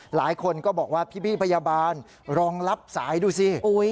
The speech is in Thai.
หลายคนก็บอกว่าพี่พยาบาลรองรับสายดูสิ